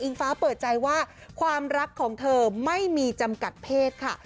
ฟ้าเปิดใจว่าความรักของเธอไม่มีจำกัดเพศค่ะ